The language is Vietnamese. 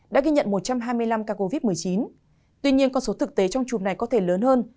đã ghi nhận một trăm hai mươi năm ca covid một mươi chín tuy nhiên con số thực tế trong chùm này có thể lớn hơn